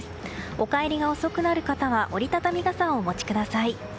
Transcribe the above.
お帰りが遅くなる方は折り畳み傘をお持ちください。